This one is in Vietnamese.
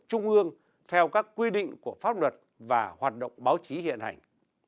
trung ương theo các quy định của pháp luật và hoạt động báo chí hiện hành